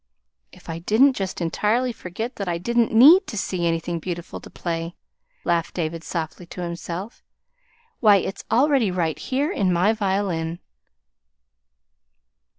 "If I didn't just entirely forget that I didn't NEED to SEE anything beautiful to play," laughed David softly to himself. "Why, it's already right here in my violin!"